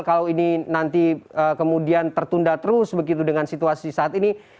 kalau ini nanti kemudian tertunda terus begitu dengan situasi saat ini